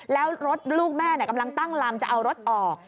แล้วรถลูกแม่กำลังตั้งลำจะเอารถออก